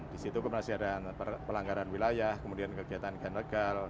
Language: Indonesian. di situ kebetulan ada pelanggaran wilayah kemudian kegiatan genregal